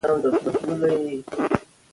له ټکنالوژۍ په سمه توګه ګټه واخلئ.